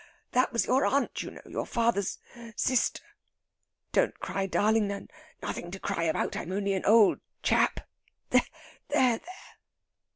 That was your aunt, you know your father's sister. Don't cry, darling. Nothing to cry about! I'm only an old chap. There, there!"